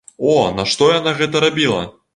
О, нашто яна гэта рабіла!